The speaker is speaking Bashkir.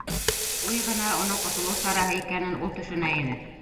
Уй ғына уның ҡотолоу сараһы икәнен ул төшөнә ине.